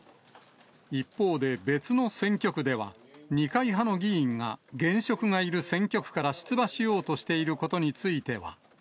一方で別の選挙区では、二階派の議員が、現職がいる選挙区から出馬しようとしていること